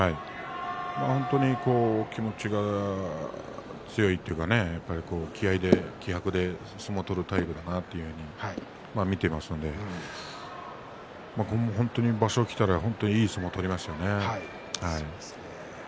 本当に気持ちが強いというか気合いで気迫で相撲を取るタイプかなというふうに見ていますので場所にきたら本当にいい相撲を取りますよね。